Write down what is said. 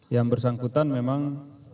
yang bersangkutan memang